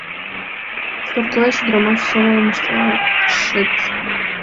— Пӧртылеш, ӱдрамаш сомылым ыштышашет...